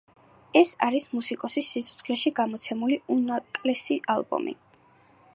ეს არის მუსიკოსის სიცოცხლეში გამოცემული უკანასკნელი ალბომი.